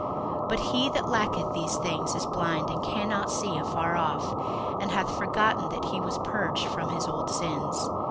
61:001:009 But he that lacketh these things is blind, and cannot see afar off, and hath forgotten that he was purged from his old sins.